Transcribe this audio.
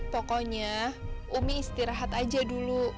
pokoknya umi istirahat aja dulu